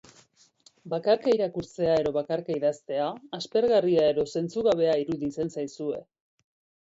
Bakarka irakurtzea edo bakarka idaztea, aspergarria edo zentzugabea iruditzen zaizue.